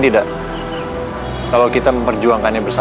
tengku kayak atas ujang dost power